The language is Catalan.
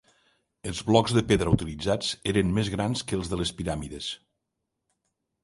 Els blocs de pedra utilitzats eren més grans que els de les piràmides.